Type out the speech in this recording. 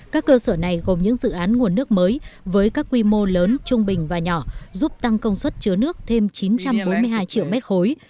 các cơ sở này gồm những dự án nguồn nước mới với các quy mô lớn trung bình và nhỏ giúp tăng công suất chứa nước thêm chín trăm bốn mươi hai triệu mét khối